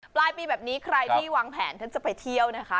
ปลายปีแบบนี้ใครที่วางแผนท่านจะไปเที่ยวนะคะ